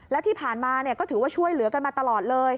แล้วที่ผ่านมาก็ถือว่าช่วยเหลือกันมาตลอดเลย